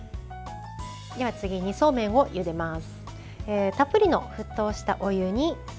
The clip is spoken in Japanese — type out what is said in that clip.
では次に、そうめんをゆでます。